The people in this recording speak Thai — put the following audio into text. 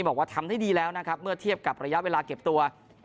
บอกว่าทำได้ดีแล้วนะครับเมื่อเทียบกับระยะเวลาเก็บตัว